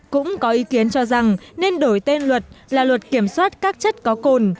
cũng có ý kiến cho rằng nên đổi tên luật là luật kiểm soát các chất có cồn